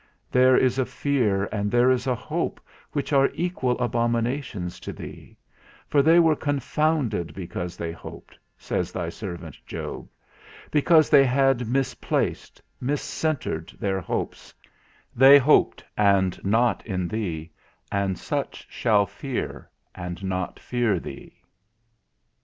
There is a fear and there is a hope, which are equal abominations to thee; for, they were confounded because they hoped, says thy servant Job; because they had misplaced, miscentred their hopes, they hoped, and not in thee, and such shall fear, and not fear thee.